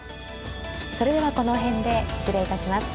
それではこの辺で失礼いたします。